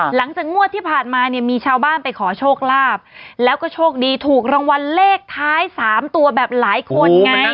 หลังจากงวดที่ผ่านมาเนี่ยมีชาวบ้านไปขอโชคลาภแล้วก็โชคดีถูกรางวัลเลขท้ายสามตัวแบบหลายคนไง